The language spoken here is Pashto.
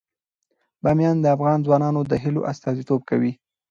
بامیان د افغان ځوانانو د هیلو استازیتوب کوي.